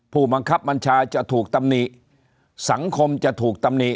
ผู้บังคับบัญชาจะถูกตำหนิสังคมจะถูกตำหนิ